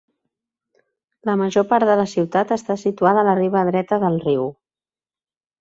La major part de la ciutat està situada a la riba dreta del riu.